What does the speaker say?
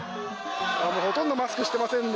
ほとんどマスクしてませんね。